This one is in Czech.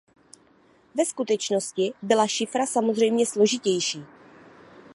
Ve skutečnosti byla šifra samozřejmě složitější.